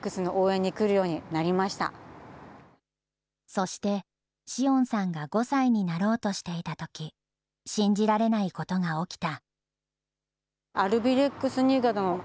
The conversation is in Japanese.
そして、詩音さんが５歳になろうとしていたとき、信じられないことが起きた。